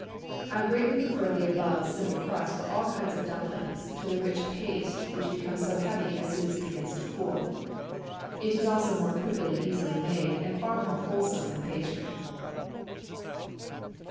I greatly prefer the above simple crust for all kinds of dumplings, to the rich paste which becomes heavy so soon as it begins to cool. It is also more quickly and easily made, and far more wholesome than pastry.